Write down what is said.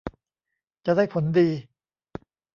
จะได้ผลดี